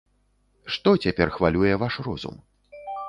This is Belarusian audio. Што цяпер хвалюе ваш розум?